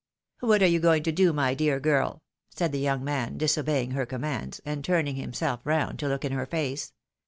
" What are you going to do, my dear girl ?" said the young man, disobeying her commands,' and turning himself round to look in her face.